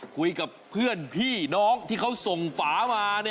คุยกับเพื่อนพี่น้องที่เขาส่งฝามา